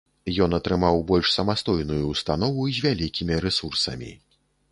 Ён атрымаў больш самастойную ўстанову з вялікімі рэсурсамі.